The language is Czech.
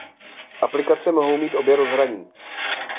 Aplikace mohou mít obě rozhraní.